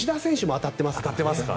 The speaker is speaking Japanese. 当たってますからね。